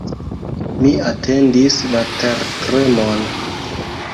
Mi atendis la tertremon.